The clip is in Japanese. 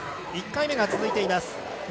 １回目が続いています。